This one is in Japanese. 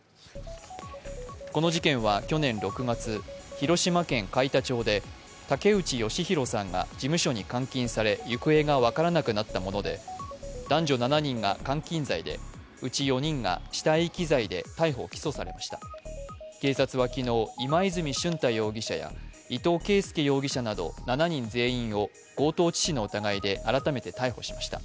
この事件は去年６月、広島県海田町で竹内義博さんが事務所に監禁され行方が分からなくなったもので男女７人が監禁罪で、うち４人が死体遺棄罪で逮捕・起訴されました警察は昨日、今泉俊太容疑者や伊藤圭亮容疑者など７人全員を強盗致死の疑いで改めて逮捕しました。